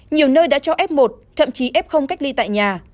nhiều nơi đã cho f một thậm chí f cách ly tại nhà